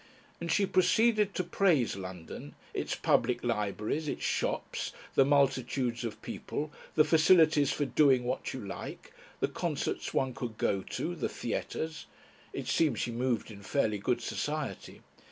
And she proceeded to praise London, its public libraries, its shops, the multitudes of people, the facilities for "doing what you like," the concerts one could go to, the theatres. (It seemed she moved in fairly good society.)